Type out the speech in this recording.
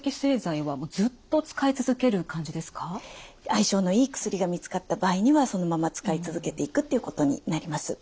相性のいい薬が見つかった場合にはそのまま使い続けていくっていうことになります。